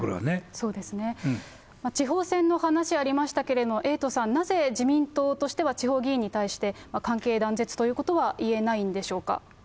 そうですね、地方選の話、ありましたけれども、エイトさん、なぜ、自民党としては、地方議員に対して、関係断絶ということは言えないんでしょうか。